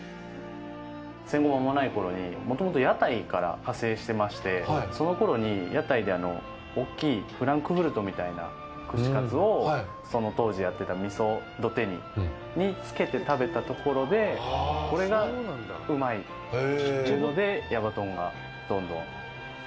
戦後間もないころにもともと屋台から派生してましてそのころに、屋台で大きいフランクフルトみたいな串カツをその当時やってた味噌どて煮につけて食べたところでこれがうまいというので矢場とんがどんどん。